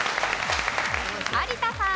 有田さん。